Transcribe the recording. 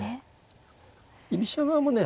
居飛車側もね